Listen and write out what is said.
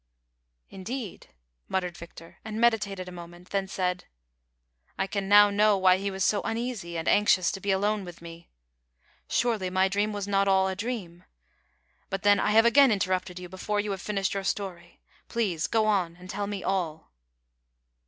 ''Indeed," muttered Victor, and meditated a moment, then said —" I can now know why he was so uneasy and anxious to be alone with me ; surely, my dream was not all a dream ; but, then, I have again interrupted you before you have finished your story, please go on and tell me all."